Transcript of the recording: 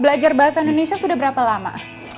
belajar bahasa indonesia sudah berapa lama